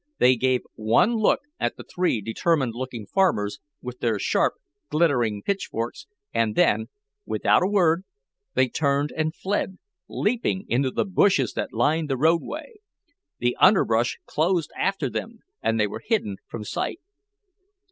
They gave one look at the three determined looking farmers, with their sharp, glittering pitchforks, and then, without a word, they turned and fled, leaping into the bushes that lined the roadway. The underbrush closed after them and they were hidden from sight.